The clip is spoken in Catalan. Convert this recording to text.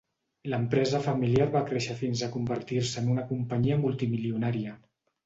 L'empresa familiar va créixer fins a convertir-se en una companyia multimilionària.